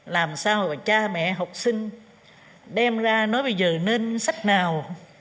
làm sao mà cha mẹ học sinh đem ra nói bây giờ nên sách nào